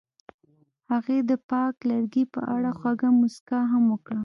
هغې د پاک لرګی په اړه خوږه موسکا هم وکړه.